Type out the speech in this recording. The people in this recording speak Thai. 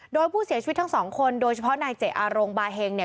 โดยผู้เสียชีวิตทั้งสองคนโดยเฉพาะนายเจอาโรงบาเฮงเนี่ย